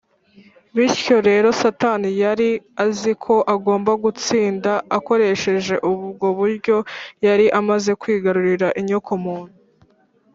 . Bityo rero Satani yari azi ko agomba gutsinda. Akoresheje ubwo buryo yari amaze kwigarurira inyokomuntu